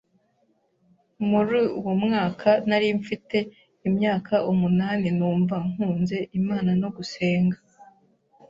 n Muri uwo mwaka nari mfite imyaka umunani numva nkunze Imana no gusenga